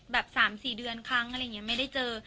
แบบ๓๔เดือนครั้งอะไรอย่างนี้ไม่ได้เจอ